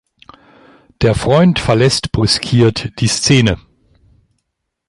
Der Freund verlässt brüskiert die Szene.